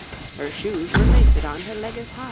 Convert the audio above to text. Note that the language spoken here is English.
Her shoes were laced on hir legges hye.'